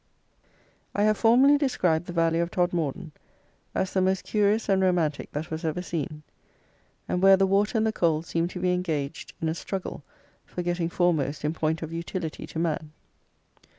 I have formerly described the valley of Todmorden as the most curious and romantic that was ever seen, and where the water and the coal seemed to be engaged in a struggle for getting foremost in point of utility to man.